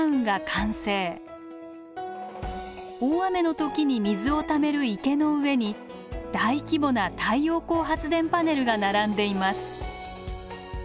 大雨の時に水をためる池の上に大規模な太陽光発電パネルが並んでいます。